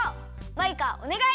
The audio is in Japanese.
マイカおねがい。